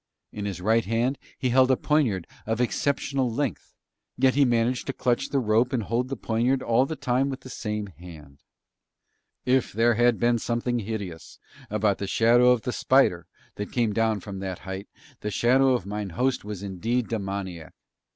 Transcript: In his right hand he held a poniard of exceptional length, yet he managed to clutch the rope and hold the poniard all the time with the same hand. If there had been something hideous about the shadow of the spider that came down from that height the shadow of mine host was indeed demoniac.